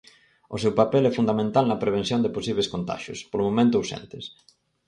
O seu papel é fundamental na prevención de posíbeis contaxios, polo momento ausentes.